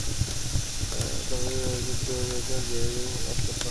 তবে রাজনৈতিক প্রতিকূল পরিবেশের কারণে দীর্ঘদিন ধরে কোনো কাজ করতে পারছেন না।